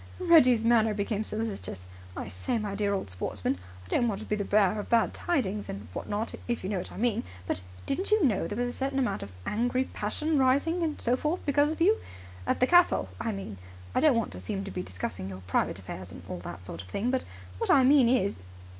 Reggie's manner became solicitous. "I say, my dear old sportsman, I don't want to be the bearer of bad tidings and what not, if you know what I mean, but didn't you know there was a certain amount of angry passion rising and so forth because of you? At the castle, I mean. I don't want to seem to be discussing your private affairs, and all that sort of thing, but what I mean is...